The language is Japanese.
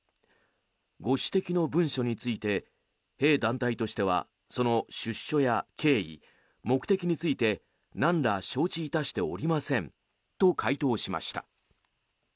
ご指摘の文書について弊団体としてはその出所や経緯、目的についてなんら承知いたしておりませんと回答しました。